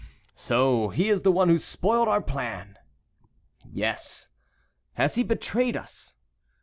"So he is the one who spoiled our plan?" "Yes." "Has he betrayed us?"